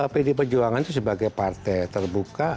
pdi perjuangan itu sebagai partai terbuka